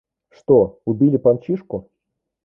Что, убили Помчишку?